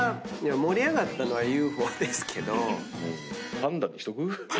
盛り上がったのはＵＦＯですけど。